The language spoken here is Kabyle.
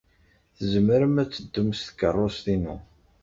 Tzemrem ad teddum s tkeṛṛust-inu.